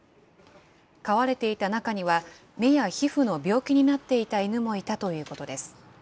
飼われていた中には、目や皮膚の病気になっていた犬もいたということです。